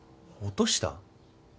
落とした？